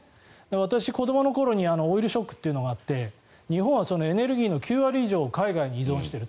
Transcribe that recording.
私、子どもの頃にオイルショックというのがあって日本はエネルギーの９割以上を海外に依存している。